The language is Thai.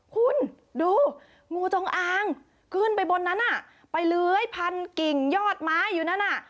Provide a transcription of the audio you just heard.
คุณดูงูจงอางขึ้นไปบนนั้นไปเลื้อยพันกิ่งยอดไม้อยู่นั่นอ่ะ